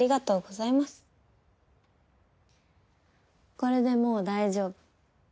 これでもう大丈夫。